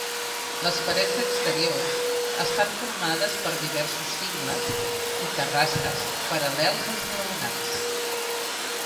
Les parets exteriors estan formades per diversos cingles i terrasses paral·lels esglaonats.